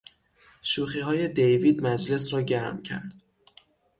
شوخیهای دیوید مجلس را گرم کرد.